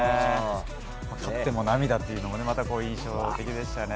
勝っても涙というのもまた印象的でしたね。